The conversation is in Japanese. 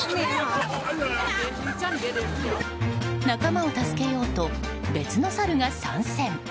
仲間を助けようと別のサルが参戦。